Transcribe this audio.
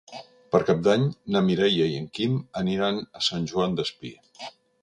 Per Cap d'Any na Mireia i en Quim aniran a Sant Joan Despí.